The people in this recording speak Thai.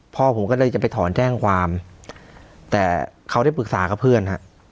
พ่อผมก็เลยจะไปถอนแจ้งความแต่เขาได้ปรึกษากับเพื่อนฮะ